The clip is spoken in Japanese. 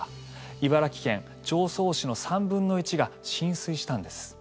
茨城県常総市の３分の１が浸水したんです。